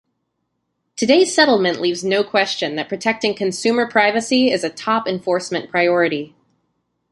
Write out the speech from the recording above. Today's settlement leaves no question that protecting consumer privacy is a top enforcement priority.